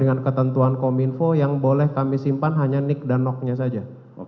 dengan ketentuan kominfo yang boleh kami simpan hanya nick dan noknya saja